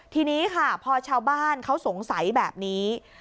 ทีนี้ค่ะพอชาวบ้านเขาสงสัยแบบนี้